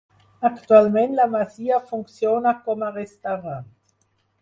Actualment la masia funciona com a restaurant.